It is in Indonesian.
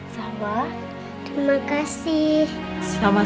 sawa dimakan ibu dari mana